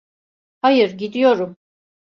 Hayır, gidiyorum.